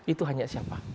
itu hanya siapa